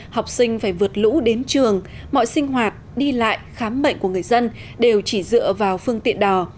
học sinh phải vượt lũ đến trường mọi sinh hoạt đi lại khám bệnh của người dân đều chỉ dựa vào phương tiện đò